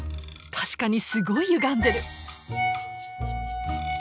確かにすごいゆがんでる。